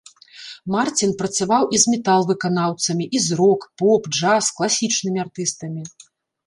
Марцін працаваў і з метал-выканаўцамі, і з рок-, поп-, джаз-, класічнымі артыстамі.